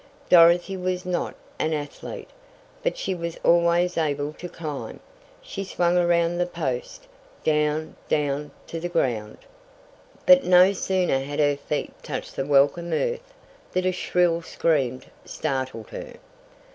Dorothy was not an athlete, but she was always able to climb. She swung around the post down down to the ground! But no sooner had her feet touched the welcome earth that a shrill scream startled her!